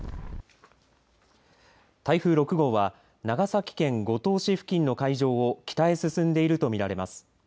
台風６号は長崎県五島市付近の海上を北へ進んでいると見られます。